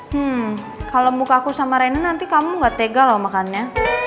hmm kalau muka aku sama rena nanti kamu gak tega loh makannya